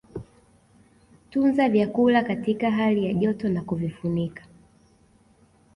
Tunza vyakula katika hali ya joto na kuvifunika